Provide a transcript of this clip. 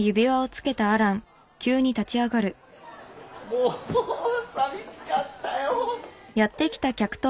もう寂しかったよ！